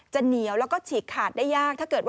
จะเหนียวและฉีกขาดได้ยาก